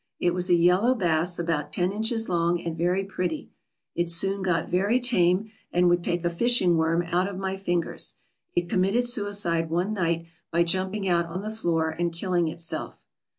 It was a yellow bass about ten inches long and very pretty. It soon got very tame, and would take a fishing worm out of my fingers. It committed suicide one night by jumping out on the floor and killing itself.